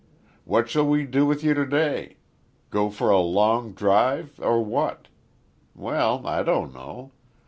"What shall we do with you to day? Go for a long drive or what? Well, I don't know.